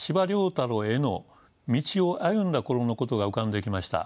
太郎への道を歩んだ頃のことが浮かんできました。